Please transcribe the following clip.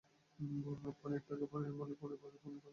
পনির টিকা, পনির মালাই, পনির পুরি, পনির কড়াই।